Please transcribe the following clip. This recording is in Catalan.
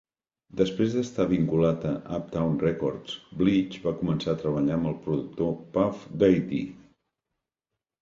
Després d'estar vinculat a Uptown Records, Blige va començar treballar amb el productor Puff Daddy.